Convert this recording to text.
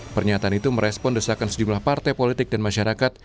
pernyataan itu merespon desakan sejumlah partai politik dan masyarakat